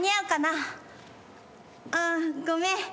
「あごめん。